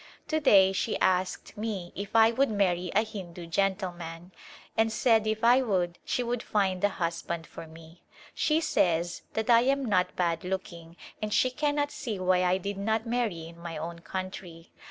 To day she asked me if I would marry a Hindu gentleman, and said if I would she would find a husband for me. She says that I am not bad looking and she cannot see why I did not marry in my own country.